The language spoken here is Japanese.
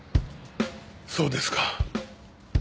そうですか。